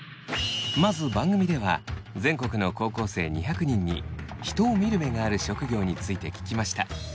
まず番組では全国の高校生２００人に人を見る目がある職業について聞きました。